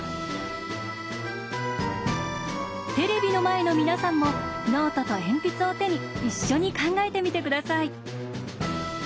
テレビの前の皆さんもノートと鉛筆を手に一緒に考えてみてください。